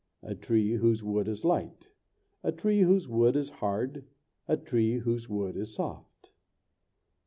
A tree whose wood is light. A tree whose wood is hard. A tree whose wood is soft.